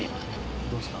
どうですか？